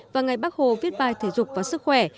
và ngày bác hồ viết bài thể dục và sức khỏe